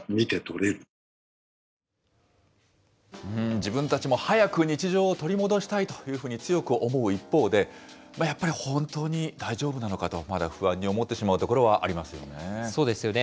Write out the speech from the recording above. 自分たちも早く日常を取り戻したいというふうに強く思う一方で、やっぱり本当に大丈夫なのかと、まだ不安に思ってしまうところはありますよね。